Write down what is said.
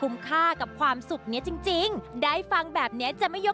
ไม่ไหวไม่ไหว